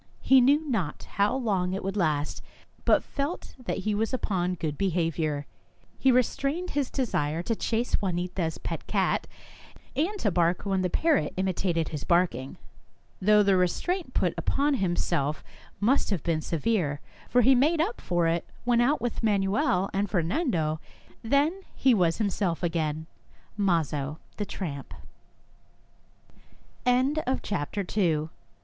He knew not how long it would last, but felt that he was upon good behaviour. He restrained his desire to chase Juanita's pet cat, and to bark when the parrot imitated his barking, though the restraint put upon himself must have been severe, for he made up for it when out with Manuel and Fer nando.